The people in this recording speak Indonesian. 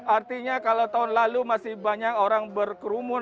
artinya kalau tahun lalu masih banyak orang berkerumun